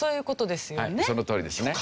そのとおりですね。